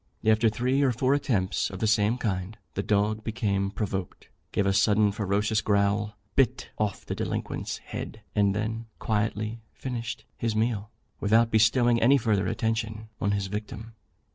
After three or four attempts of the same kind, the dog became provoked, gave a sudden ferocious growl, bit off the delinquent's head, and then quietly finished his meal, without bestowing any further attention on his victim.